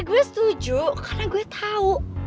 ya gue setuju karena gue tau